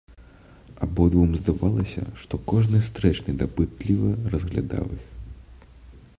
Абодвум здавалася, што кожны стрэчны дапытліва разглядаў іх.